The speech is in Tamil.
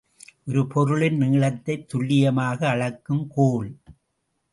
ஒரு பொருளின் நீளத்தைத் துல்லியமாக அளக்கும் கோல்.